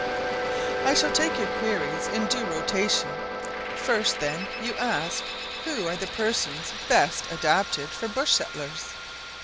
I shall take your queries in due rotation; first, then, you ask, "Who are the persons best adapted for bush settlers?"